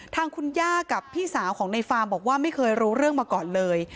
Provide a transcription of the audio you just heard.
ทางคุณย่ากับพี่สาวของในฟาร์มบอกว่าไม่เคยรู้เรื่องมาก่อนเลย